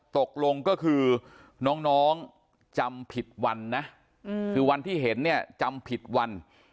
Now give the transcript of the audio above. ตกลงก็คือน้องจำผิดวันนะคือวันที่เห็นเนี่ยจำผิดวัน